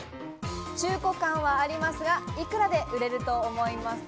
中古はありますが、幾らで売れると思いますか？